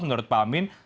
menurut pak amin